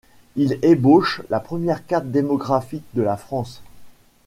Il ébauche la première carte démographique de la France.